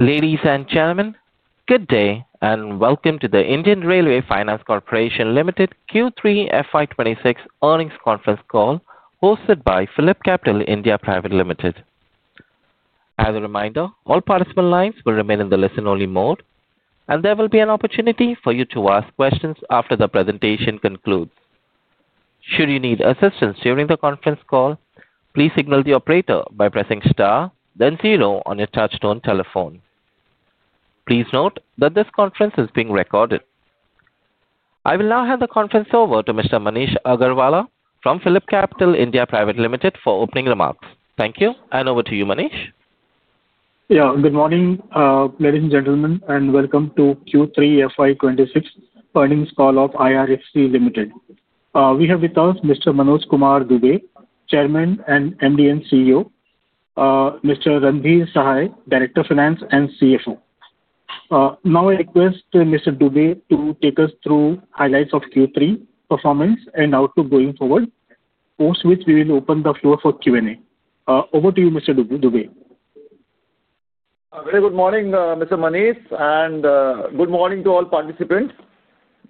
Ladies and gentlemen, good day and welcome to the Indian Railway Finance Corporation Limited Q3 FY 2026 earnings conference call hosted by PhillipCapital India Private Limited. As a reminder, all participant lines will remain in the listen-only mode, and there will be an opportunity for you to ask questions after the presentation concludes. Should you need assistance during the conference call, please signal the operator by pressing star, then zero on your touch-tone telephone. Please note that this conference is being recorded. I will now hand the conference over to Mr. Manish Agarwala from PhillipCapital India Private Limited for opening remarks. Thank you, and over to you, Manish. Yeah, good morning, ladies and gentlemen, and welcome to Q3 FY 2026 earnings call of IRFC Limited. We have with us Mr. Manoj Kumar Dubey, Chairman and MD and CEO, Mr. Randhir Sahay, Director of Finance and CFO. Now, I request Mr. Dubey to take us through highlights of Q3 performance and outlook going forward, post which we will open the floor for Q&A. Over to you, Mr. Dubey. Very good morning, Mr. Manish, and good morning to all participants.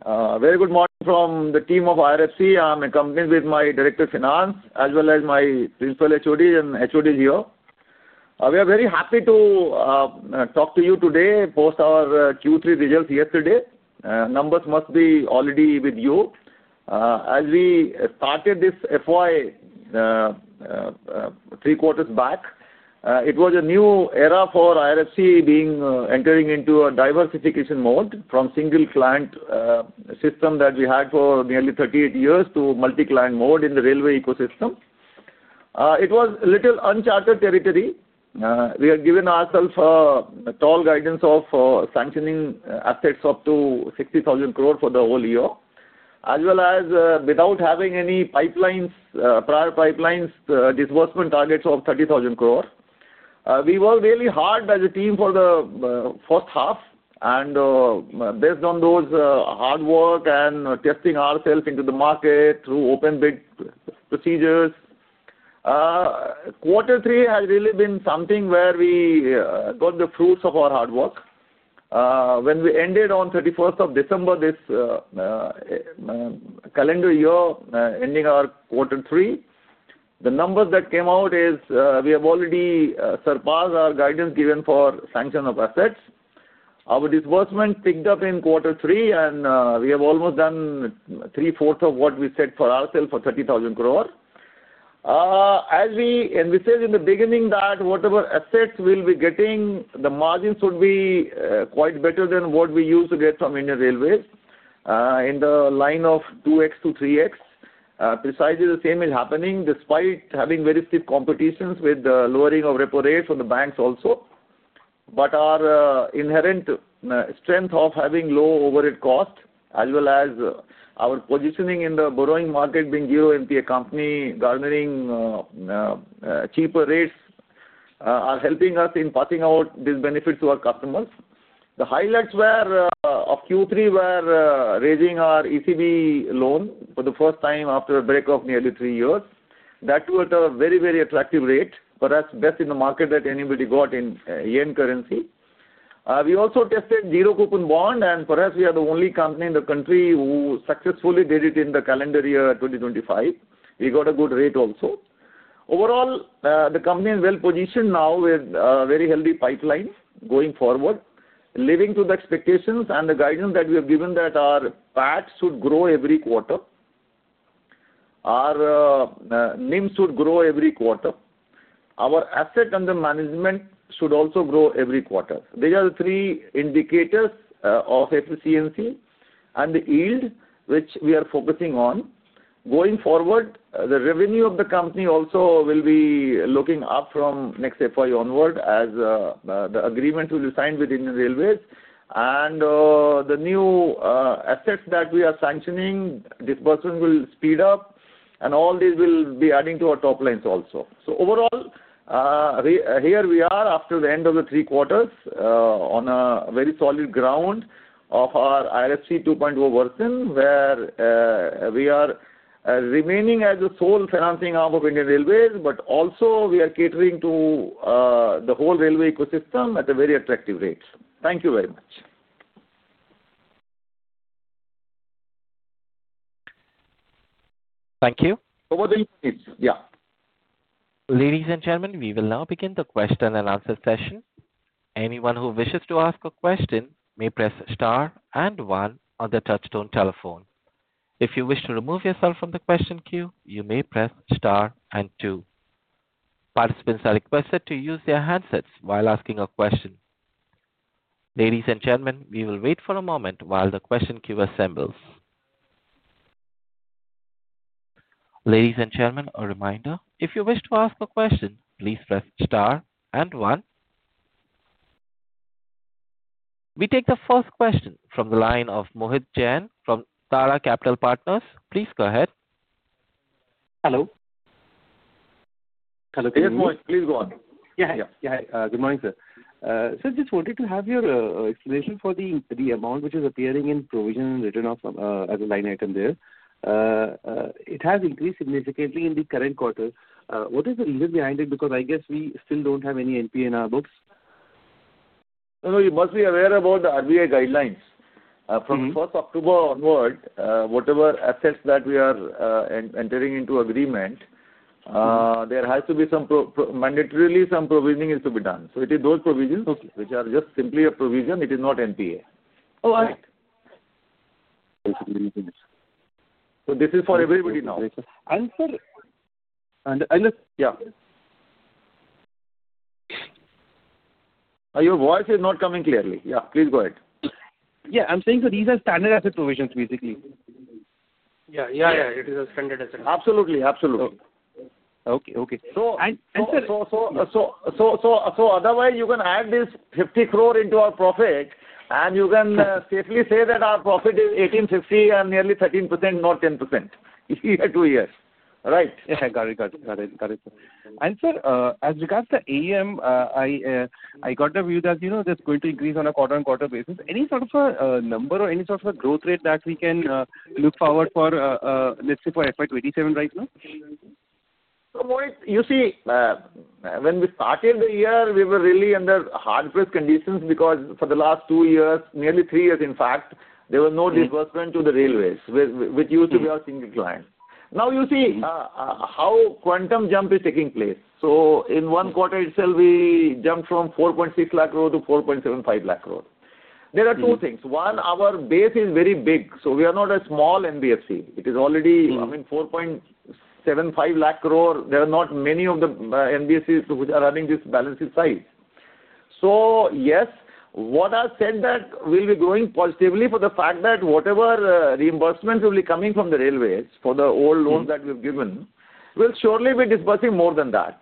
Very good morning from the team of IRFC. I'm accompanied with my Director of Finance, as well as my Principal HOD and HODs here. We are very happy to talk to you today post our Q3 results yesterday. Numbers must be already with you. As we started this FY three quarters back, it was a new era for IRFC being entering into a diversification mode from single client system that we had for nearly 38 years to multi-client mode in the railway ecosystem. It was a little uncharted territory. We had given ourselves tall guidance of sanctioning assets up to 60,000 crore for the whole year, as well as without having any prior pipelines disbursement targets of 30,000 crore. We worked really hard as a team for the first half, and based on those hard work and testing ourselves into the market through open bid procedures, quarter three has really been something where we got the fruits of our hard work. When we ended on 31st of December this calendar year, ending our quarter three, the numbers that came out is we have already surpassed our guidance given for sanction of assets. Our disbursement picked up in quarter three, and we have almost done 3/4 of what we set for ourselves for 30,000 crore. As we envisioned in the beginning that whatever assets we'll be getting, the margins would be quite better than what we used to get from Indian Railways in the line of 2x-3x. Precisely the same is happening despite having very stiff competitions with the lowering of repo rates on the banks also. But our inherent strength of having low overhead cost, as well as our positioning in the borrowing market being zero NPA company, garnering cheaper rates, are helping us in passing out these benefits to our customers. The highlights of Q3 were raising our ECB loan for the first time after a break of nearly three years. That was a very, very attractive rate, perhaps best in the market that anybody got in yen currency. We also tested zero coupon bond, and perhaps we are the only company in the country who successfully did it in the calendar year 2025. We got a good rate also. Overall, the company is well positioned now with very healthy pipelines going forward, living up to the expectations and the guidance that we have given that our PAT should grow every quarter. Our NIM should grow every quarter. Our assets under management should also grow every quarter. These are the three indicators of efficiency and the yield which we are focusing on. Going forward, the revenue of the company also will be looking up from next FY onward as the agreements will be signed with Indian Railways, and the new assets that we are sanctioning, disbursement will speed up, and all these will be adding to our top lines also. So overall, here we are after the end of the three quarters on a very solid ground of our IRFC 2.0 version, where we are remaining as the sole financing arm of Indian Railways, but also we are catering to the whole railway ecosystem at a very attractive rate. Thank you very much. Thank you. Over to you, please. Yeah. Ladies and gentlemen, we will now begin the question and answer session. Anyone who wishes to ask a question may press star and one on the touch-tone telephone. If you wish to remove yourself from the question queue, you may press star and two. Participants are requested to use their handsets while asking a question. Ladies and gentlemen, we will wait for a moment while the question queue assembles. Ladies and gentlemen, a reminder, if you wish to ask a question, please press star and one. We take the first question from the line of Mohit Jain from Tara Capital Partners. Please go ahead. Hello. Hello, Mohit. Please go on. Yeah, hi. Good morning, sir. So I just wanted to have your explanation for the amount which is appearing in provision and written off as a line item there. It has increased significantly in the current quarter. What is the reason behind it? Because I guess we still don't have any NPA in our books. No, no, you must be aware about the RBI guidelines. From 1st October onward, whatever assets that we are entering into agreement, there has to be some mandatorily some provisioning to be done. So it is those provisions which are just simply a provision. It is not NPA. Oh, all right. So this is for everybody now. And sir. Yeah. Your voice is not coming clearly. Yeah, please go ahead. Yeah, I'm saying so these are standard asset provisions, basically. Yeah, yeah, yeah. It is a standard asset. Absolutely, absolutely. Okay, okay, and sir. So otherwise, you can add this 50 crore into our profit, and you can safely say that our profit is 1850 and nearly 13%, not 10%, year to year. Right. Yeah, got it, got it. Sir, as regards to AUM, I got the view that there's going to increase on a quarter-on-quarter basis. Any sort of a number or any sort of a growth rate that we can look forward for, let's say, for FY 2027 right now? You see, when we started the year, we were really under hard pressed conditions because for the last two years, nearly three years, in fact, there was no disbursement to the railways, which used to be our single client. Now, you see how quantum jump is taking place. So in one quarter itself, we jumped from 4.6 lakh crore to 4.75 lakh crore. There are two things. One, our base is very big. So we are not a small NBFC. It is already, I mean, 4.75 lakh crore. There are not many of the NBFCs which are running this balance sheet size. So yes, what I said that we'll be growing positively for the fact that whatever reimbursements will be coming from the railways for the old loans that we've given will surely be disbursing more than that.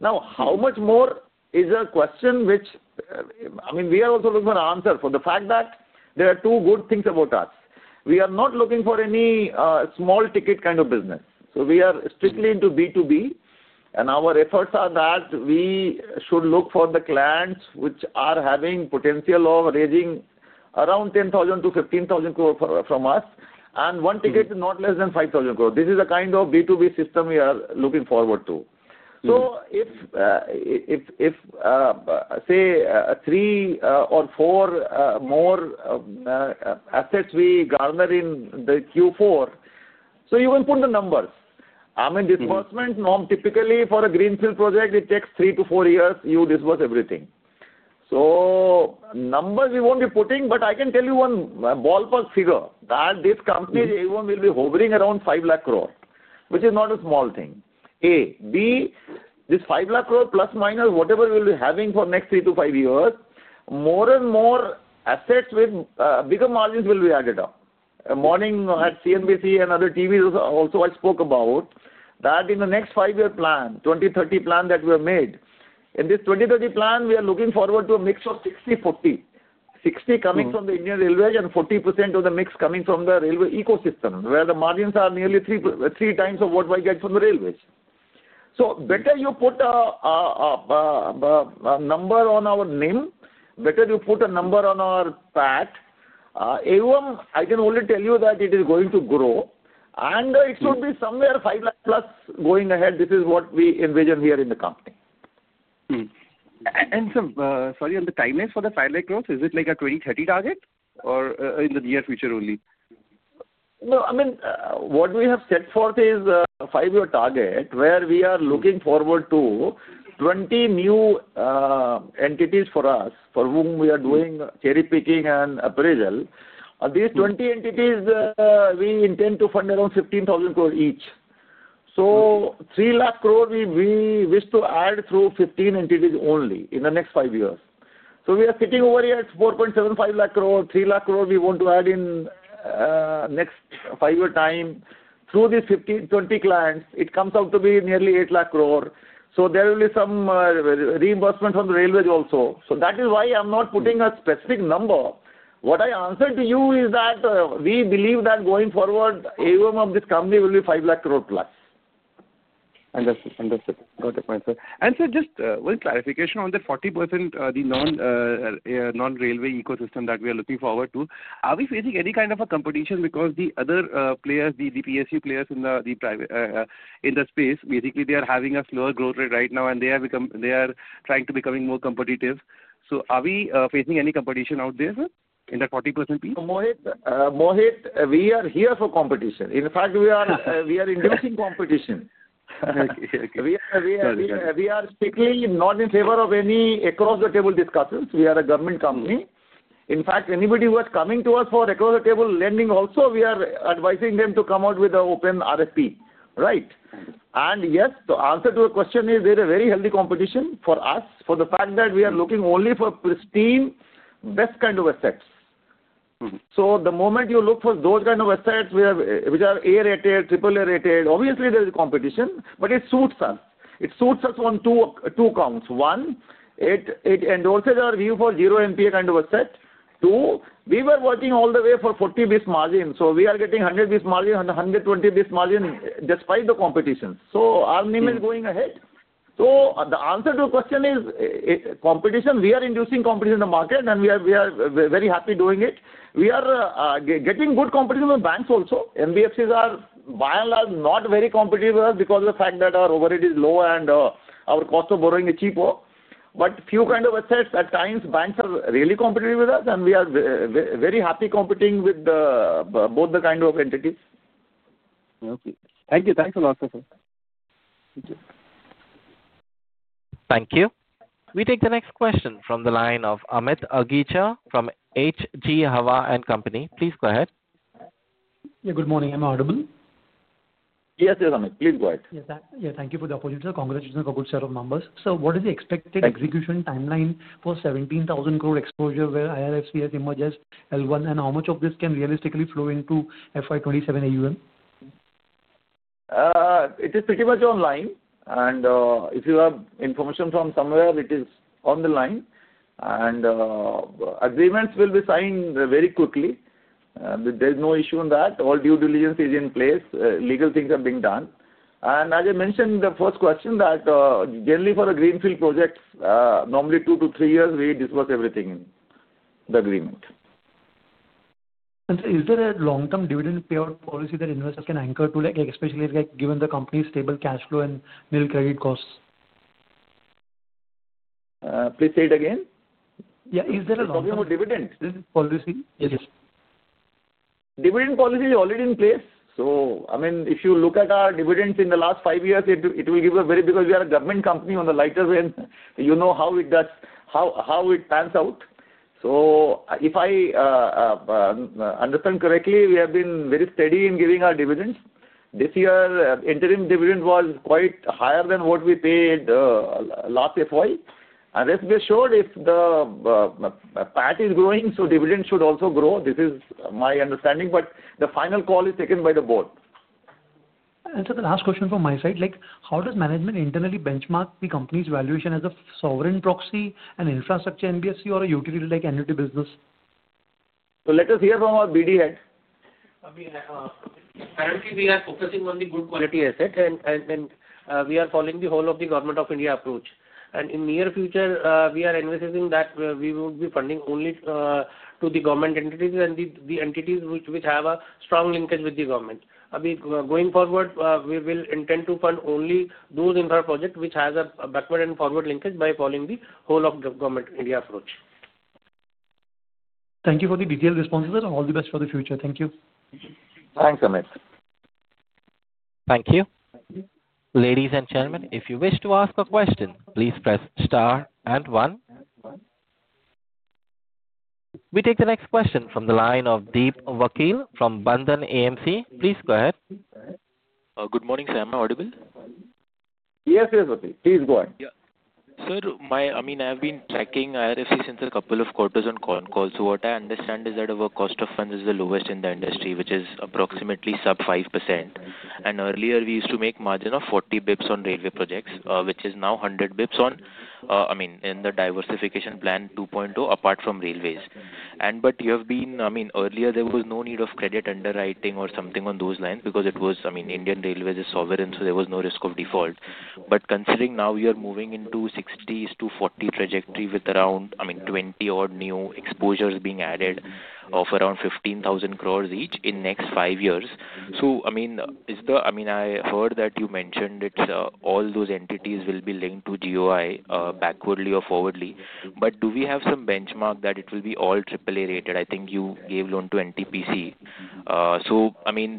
Now, how much more is a question which, I mean, we are also looking for an answer for the fact that there are two good things about us. We are not looking for any small ticket kind of business. So we are strictly into B2B, and our efforts are that we should look for the clients which are having potential of raising around 10,000-15,000 crore from us, and one ticket is not less than 5,000 crore. This is the kind of B2B system we are looking forward to. So if, say, three or four more assets we garner in the Q4, so you can put the numbers. I mean, disbursement norm typically for a greenfield project, it takes three to four years you disburse everything. Numbers we won't be putting, but I can tell you one ballpark figure that this company will be hovering around 5 lakh crore, which is not a small thing. This ±5 lakh crore whatever we'll be having for next three to five years, more and more assets with bigger margins will be added up. This morning at CNBC and other TVs also I spoke about that in the next five-year plan, 2030 plan that we have made. In this 2030 plan, we are looking forward to a mix of 60/40, 60% coming from the Indian Railways and 40% of the mix coming from the railway ecosystem, where the margins are nearly 3x of what we get from the railways. So, better you put a number on our NIM. Better you put a number on our PAT, and I can only tell you that it is going to grow, and it should be somewhere 5+ lakh going ahead. This is what we envision here in the company. And sir, sorry, on the timelines for the INR 5 lakh crores, is it like a 2030 target or in the near future only? No, I mean, what we have set forth is a five-year target where we are looking forward to 20 new entities for us, for whom we are doing cherry-picking and appraisal. These 20 entities, we intend to fund around 15,000 crore each. So 3 lakh crore, we wish to add through 15 entities only in the next five years. So we are sitting over here at 4.75 lakh crore. 3 lakh crore we want to add in next five-year time. Through these 20 clients, it comes out to be nearly 8 lakh crore. So there will be some reimbursement from the railways also. So that is why I'm not putting a specific number. What I answered to you is that we believe that going forward, AUM of this company will be 5+ lakh crore. Understood. Got it, my sir. And sir, just one clarification on the 40%, the non-railway ecosystem that we are looking forward to. Are we facing any kind of a competition because the other players, the PSU players in the space, basically, they are having a slower growth rate right now, and they are trying to become more competitive? So are we facing any competition out there, sir, in that 40% piece? Mohit, we are here for competition. In fact, we are inducing competition. Okay, okay. We are strictly not in favor of any across-the-table discussions. We are a government company. In fact, anybody who is coming to us for across-the-table lending also, we are advising them to come out with an open RFP. Right? And yes, the answer to the question is there is a very healthy competition for us for the fact that we are looking only for pristine, best kind of assets. So the moment you look for those kind of assets which are A-rated, AAA-rated, obviously there is competition, but it suits us. It suits us on two counts. One, it endorses our view for zero NPA kind of asset. Two, we were working all the way for 40-based margin. So we are getting 100-based margin, 120-based margin despite the competitions. So our NIM is going ahead. So the answer to the question is competition. We are inducing competition in the market, and we are very happy doing it. We are getting good competition with banks also. NBFCs are by and large not very competitive with us because of the fact that our overhead is low and our cost of borrowing is cheaper. But few kind of assets at times banks are really competitive with us, and we are very happy competing with both the kind of entities. Okay. Thank you. Thanks a lot, sir. Thank you. We take the next question from the line of Amit Agicha from HG Hawa & Co. Please go ahead. Yeah, good morning. Am I audible? Yes, yes, Amit. Please go ahead. Yeah, thank you for the opportunity. Congratulations on a good set of numbers. So what is the expected execution timeline for 17,000 crore exposure where IRFC's emerges L1, and how much of this can realistically flow into FY 2027 AUM? It is pretty much online. And if you have information from somewhere, it is on the line. And agreements will be signed very quickly. There's no issue in that. All due diligence is in place. Legal things are being done. And as I mentioned in the first question, that generally for a greenfield project, normally two to three years, we disburse everything in the agreement. Sir, is there a long-term dividend payout policy that investors can anchor to, especially given the company's stable cash flow and middle credit costs? Please say it again. Yeah, is there a long-term policy? Dividend policy is already in place, so I mean, if you look at our dividends in the last five years, it will give a very because we are a government company on the lighter end, you know how it pans out, so if I understand correctly, we have been very steady in giving our dividends. This year, interim dividend was quite higher than what we paid last FY, and that's for sure if the PAT is growing, so dividends should also grow. This is my understanding, but the final call is taken by the board. Sir, the last question from my side, how does management internally benchmark the company's valuation as a sovereign proxy and infrastructure NBFC or a utility-like entity business? So let us hear from our BD head. Apparently, we are focusing on the good quality asset, and we are following the whole of the Government of India approach, and in the near future, we are envisaging that we will be funding only to the government entities and the entities which have a strong linkage with the government. Going forward, we will intend to fund only those infra projects which have a backward and forward linkage by following the whole of the Government of India approach. Thank you for the detailed responses, sir. All the best for the future. Thank you. Thanks, Amit. Thank you. Ladies and gentlemen, if you wish to ask a question, please press star and one. We take the next question from the line of Deep Vakil from Bandhan AMC. Please go ahead. Good morning, sir. Am I audible? Yes, yes, Vakil. Please go ahead. Sir, I mean, I've been tracking IRFC's since a couple of quarters on call. So what I understand is that our cost of funds is the lowest in the industry, which is approximately sub 5%. And earlier, we used to make margin of 40 basis points on railway projects, which is now 100 basis points on, I mean, in the diversification plan 2.0 apart from railways. But you have been, I mean, earlier, there was no need of credit underwriting or something on those lines because it was, I mean, Indian Railways is sovereign, so there was no risk of default. But considering now we are moving into 60s to 40 trajectory with around 20-odd new exposures being added of around 15,000 crores each in next five years. So I mean, I heard that you mentioned all those entities will be linked to GOI backwardly or forwardly. But do we have some benchmark that it will be all AAA-rated? I think you gave loan to NTPC. So I mean,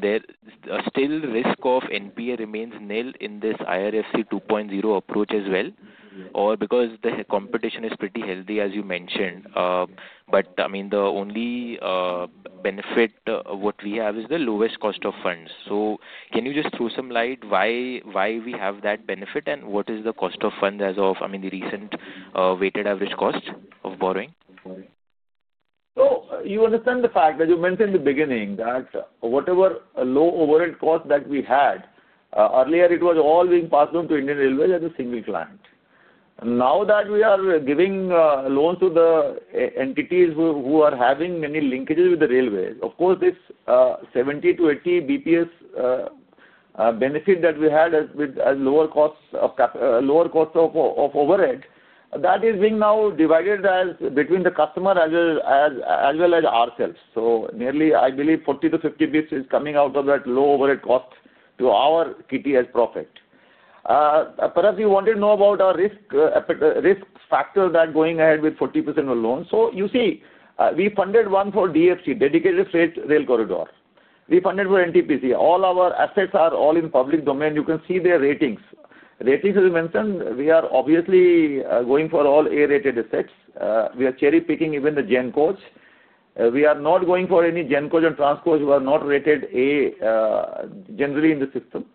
still risk of NPA remains nil in this IRFC 2.0 approach as well because the competition is pretty healthy, as you mentioned. But I mean, the only benefit what we have is the lowest cost of funds. So can you just throw some light why we have that benefit and what is the cost of funds as of, I mean, the recent weighted average cost of borrowing? So you understand the fact that you mentioned in the beginning that whatever low overhead cost that we had earlier, it was all being passed on to Indian Railways as a single client. Now that we are giving loans to the entities who are having many linkages with the railways, of course, this 70-80 basis points benefit that we had with lower cost of overhead, that is being now divided between the customer as well as ourselves. So nearly, I believe, 40-50 basis points is coming out of that low overhead cost to our net profit. Perhaps you wanted to know about our risk factor that going ahead with 40% of loans. So you see, we funded one for DFC, Dedicated Freight Corridor. We funded for NTPC. All our assets are all in public domain. You can see their ratings. Rating, as you mentioned, we are obviously going for all A-rated assets. We are cherry-picking even the Genco. We are not going for any Genco and TransCoach who are not rated A generally in the system.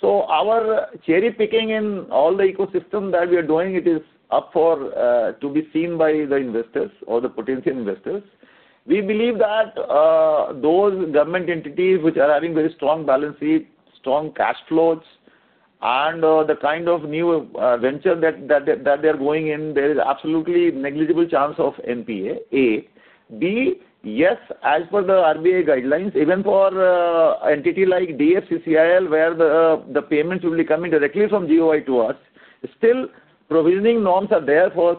So our cherry-picking in all the ecosystem that we are doing, it is up for to be seen by the investors or the potential investors. We believe that those government entities which are having very strong balance sheets, strong cash flows, and the kind of new venture that they are going in, there is absolutely negligible chance of NPA. A. B, yes, as per the RBI guidelines, even for entity like DFCCIL, where the payments will be coming directly from GOI to us, still provisioning norms are there for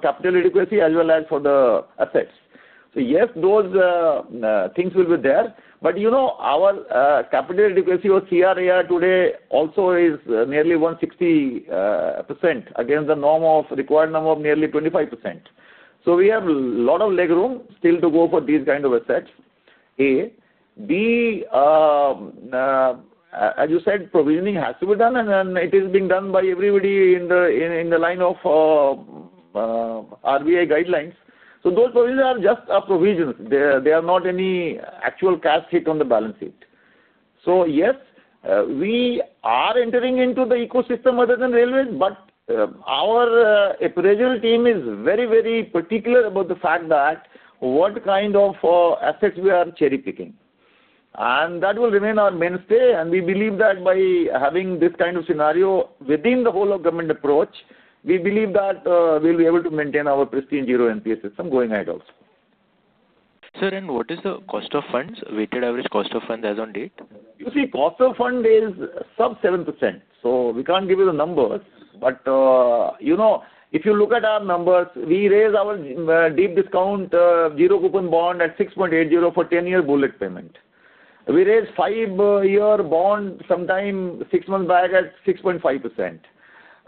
capital adequacy as well as for the assets. So yes, those things will be there. But you know our capital adequacy or CRAR today also is nearly 160% against the norm of required number of nearly 25%. So we have a lot of legroom still to go for these kind of assets. A. B., as you said, provisioning has to be done, and it is being done by everybody in the line of RBI guidelines. So those provisions are just a provision. They are not any actual cash hit on the balance sheet. So yes, we are entering into the ecosystem other than railways, but our appraisal team is very, very particular about the fact that what kind of assets we are cherry-picking. And that will remain our mainstay. And we believe that by having this kind of scenario within the whole of government approach, we believe that we'll be able to maintain our pristine zero NPA system going ahead also. Sir, and what is the cost of funds, weighted average cost of funds, as on date? You see, cost of fund is sub 7%. So we can't give you the numbers. But you know if you look at our numbers, we raised our deep discount zero coupon bond at 6.80% for 10-year bullet payment. We raised 5-year bond sometime six months back at 6.5%.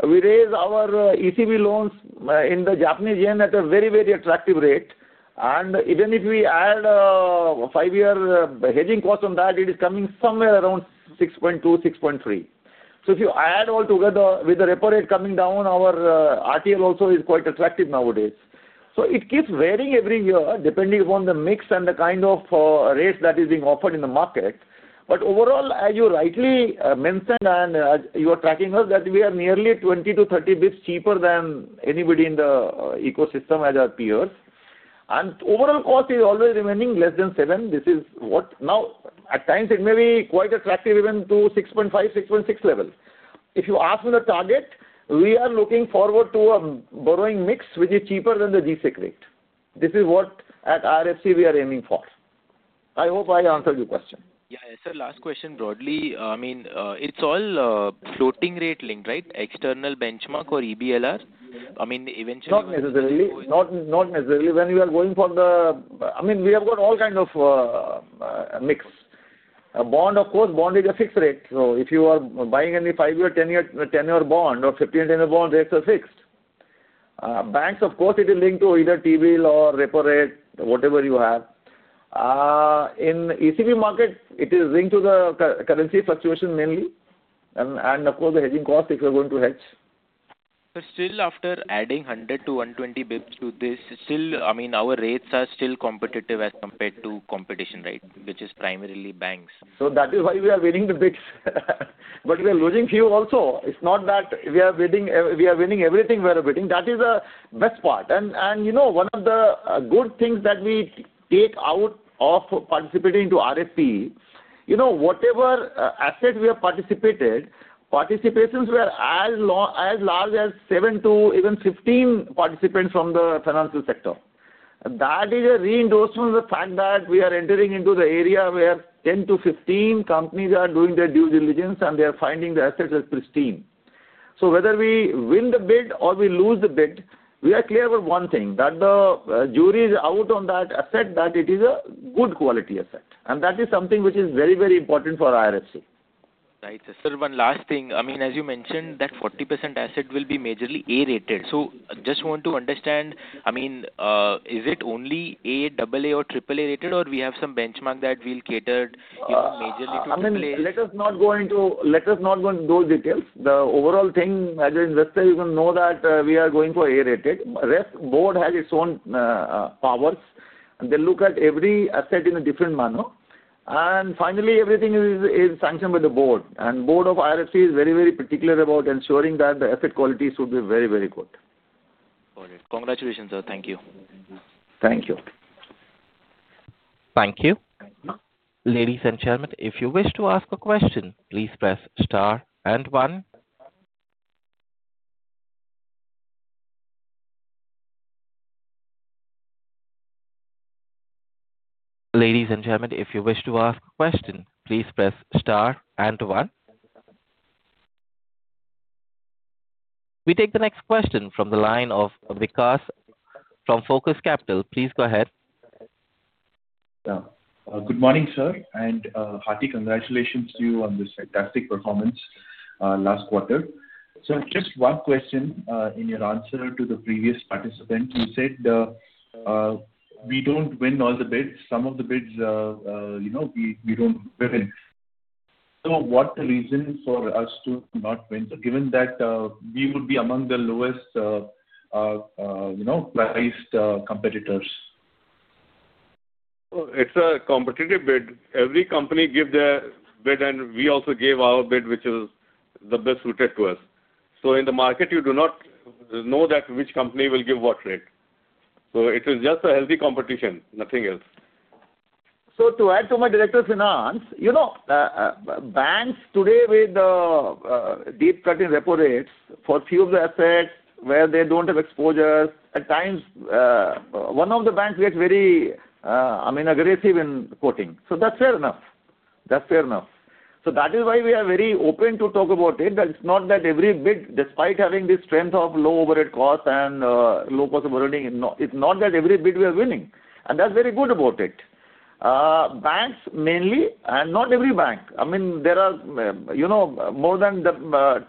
We raised our ECB loans in the Japanese yen at a very, very attractive rate. And even if we add a 5-year hedging cost on that, it is coming somewhere around 6.2%, 6.3%. So if you add all together with the repo rate coming down, our RTL also is quite attractive nowadays. So it keeps varying every year depending upon the mix and the kind of rates that is being offered in the market. But overall, as you rightly mentioned and you are tracking us, that we are nearly 20-30 basis points cheaper than anybody in the ecosystem as our peers. And overall cost is always remaining less than 7%. This is what now at times it may be quite attractive even to 6.5%-6.6% level. If you ask me the target, we are looking forward to a borrowing mix which is cheaper than the G-Sec rate. This is what at IRFC we are aiming for. I hope I answered your question. Yeah, sir, last question broadly. I mean, it's all floating rate linked, right? External benchmark or EBLR? I mean, eventually. Not necessarily. Not necessarily. When we are going for the, I mean, we have got all kind of mix. Bond, of course, bond is a fixed rate. So if you are buying any 5-year, 10-year bond or 15-year, 10-year bond, rates are fixed. Banks, of course, it is linked to either T-Bill or repo rate, whatever you have. In ECB market, it is linked to the currency fluctuation mainly. And of course, the hedging cost if you're going to hedge. But still, after adding 100-120 basis points to this, still, I mean, our rates are still competitive as compared to competition rate, which is primarily banks. So that is why we are winning the bids. But we are losing few also. It's not that we are winning everything we are bidding. That is the best part. And one of the good things that we take out of participating into RFP, whatever asset we have participated, participations were as large as seven to even 15 participants from the financial sector. That is a reinforcement of the fact that we are entering into the area where 10-15 companies are doing their due diligence, and they are finding the assets as pristine. So whether we win the bid or we lose the bid, we are clear about one thing, that the jury is out on that asset, that it is a good quality asset. And that is something which is very, very important for IRFC. Right. Sir, one last thing. I mean, as you mentioned, that 40% asset will be majorly A-rated. So I just want to understand, I mean, is it only A, AA, or AAA rated, or we have some benchmark that will cater majorly to A? Let us not go into those details. The overall thing, as an investor, you can know that we are going for A-rated. Rest, board has its own powers. They look at every asset in a different manner. And finally, everything is sanctioned by the board. And board of IRFC is very, very particular about ensuring that the asset quality should be very, very good. Got it. Congratulations, sir. Thank you. Thank you. Thank you. Ladies and gentlemen, if you wish to ask a question, please press star and one. Ladies and gentlemen, if you wish to ask a question, please press star and one. We take the next question from the line of Vikas from Focus Capital. Please go ahead. Good morning, sir. And hearty congratulations to you on this fantastic performance last quarter. Sir, just one question in your answer to the previous participant. You said we don't win all the bids. Some of the bids, we don't win. So what's the reason for us to not win, given that we would be among the lowest-priced competitors? It's a competitive bid. Every company gives their bid, and we also gave our bid, which is the best suited to us. So in the market, you do not know which company will give what rate. So it is just a healthy competition, nothing else. So to add to my Director of Finance, banks today with deep cutting repo rates for a few of the assets where they don't have exposures. At times, one of the banks gets very, I mean, aggressive in quoting. So that's fair enough. That's fair enough. So that is why we are very open to talk about it. It's not that every bid, despite having this strength of low overhead cost and low cost of earning, it's not that every bid we are winning. And that's very good about it. Banks mainly, and not every bank, I mean, there are more than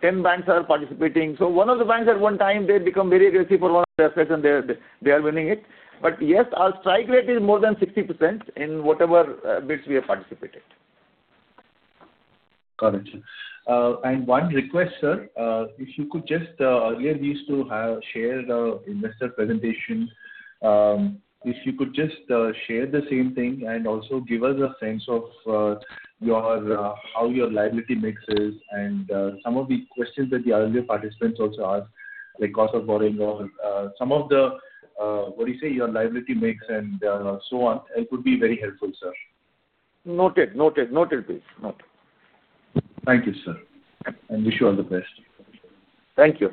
10 banks that are participating. So one of the banks at one time, they become very aggressive for one of the assets, and they are winning it. But yes, our strike rate is more than 60% in whatever bids we have participated. Got it, and one request, sir, if you could just earlier, we used to have a shared investor presentation. If you could just share the same thing and also give us a sense of how your liability mix is and some of the questions that the other participants also ask, like cost of borrowing, some of the, what do you say, your liability mix and so on. It would be very helpful, sir. Noted. Noted. Noted, please. Thank you, sir, and wish you all the best. Thank you.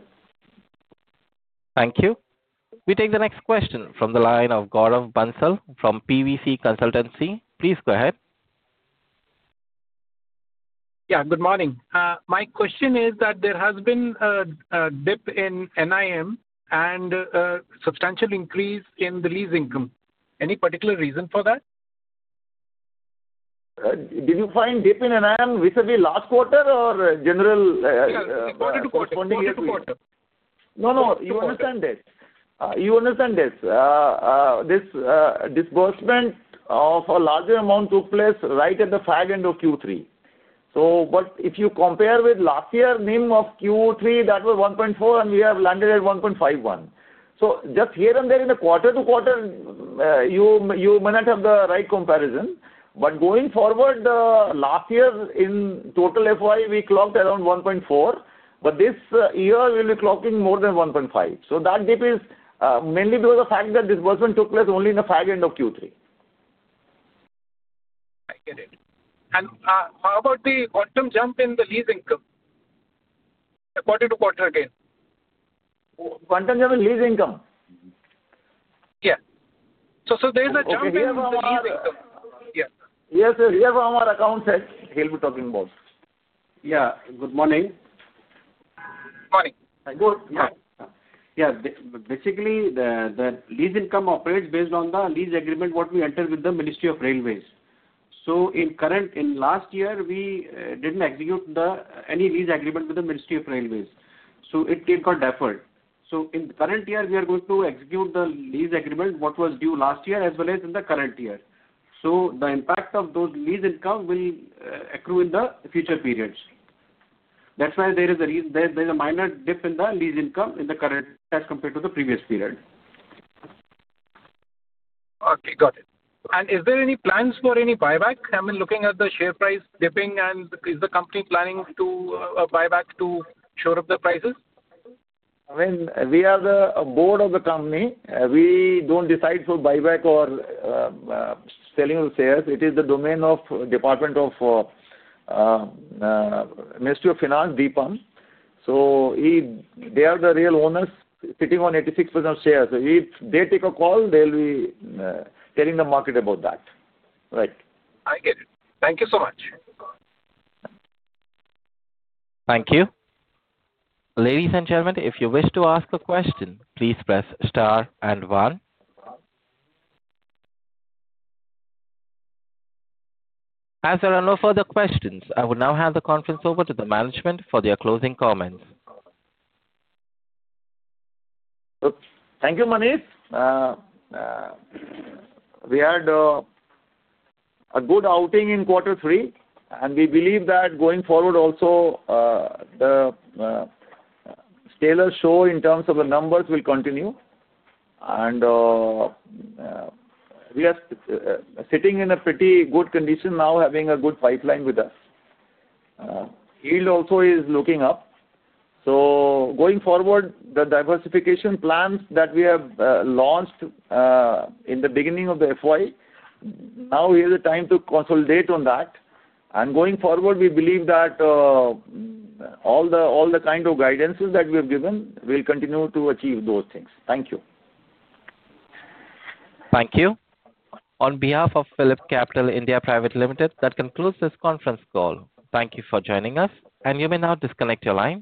Thank you. We take the next question from the line of Gaurav Bansal from PwC Consultancy. Please go ahead. Yeah, good morning. My question is that there has been a dip in NIM and a substantial increase in the lease income. Any particular reason for that? Did you find dip in NIM recently last quarter or general? Yeah, quarter to quarter, quarter to quarter. No, no. You understand this. You understand this. This disbursement of a larger amount took place right at the tail end of Q3. So if you compare with last year, NIM of Q3, that was 1.4, and we have landed at 1.51. So just here and there in the quarter to quarter, you may not have the right comparison. But going forward, last year in total FY, we clocked around 1.4, but this year we'll be clocking more than 1.5. So that dip is mainly because of the fact that disbursement took place only in the tail end of Q3. I get it. And how about the quantum jump in the lease income? Quarter to quarter again. Quantum jump in lease income? Yeah, so there is a jump here in the lease income. Yes, sir. We have our accounts here. He'll be talking about. Yeah. Good morning. Good morning. Good. Yeah. Basically, the lease income operates based on the lease agreement what we entered with the Ministry of Railways. So in last year, we didn't execute any lease agreement with the Ministry of Railways. So it came called deferred. So in the current year, we are going to execute the lease agreement what was due last year as well as in the current year. So the impact of those lease income will accrue in the future periods. That's why there is a minor dip in the lease income in the current as compared to the previous period. Okay. Got it. And is there any plans for any buyback? I mean, looking at the share price dipping, and is the company planning to buy back to shore up the prices? I mean, we are the board of the company. We don't decide for buyback or selling of the shares. It is the domain of Department of Ministry of Finance, DIPAM. So they are the real owners sitting on 86% of shares. If they take a call, they'll be telling the market about that. Right. I get it. Thank you so much. Thank you. Ladies and gentlemen, if you wish to ask a question, please press star and one. As there are no further questions, I will now hand the conference over to the management for their closing comments. Thank you, Manoj. We had a good outing in quarter three, and we believe that going forward also, the scale of show in terms of the numbers will continue. And we are sitting in a pretty good condition now, having a good pipeline with us. Yield also is looking up. So going forward, the diversification plans that we have launched in the beginning of the FY, now is the time to consolidate on that. And going forward, we believe that all the kind of guidances that we have given will continue to achieve those things. Thank you. Thank you. On behalf of PhillipCapital India Private Limited, that concludes this conference call. Thank you for joining us. And you may now disconnect your line.